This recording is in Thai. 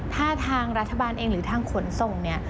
ถ้าทางรัชบาลเองหรือทางขนส่ง